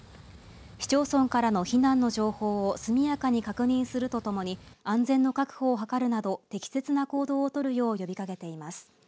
市町村からの避難の情報を速やかに確認するとともに安全の確保を図るなど適切な行動を取るよう呼びかけています。